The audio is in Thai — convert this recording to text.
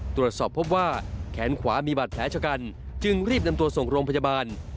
ตรวจสอบพบว่าแขนขวามีบาดแผลชะกันจึงรีบนำตัวส่งโรงพยาบาล